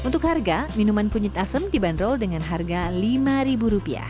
untuk harga minuman kunyit asem dibanderol dengan harga rp lima